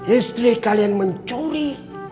istri kalian mencuri